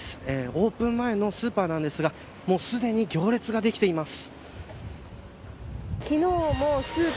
オープン前のスーパーなんですがすでに行列ができています。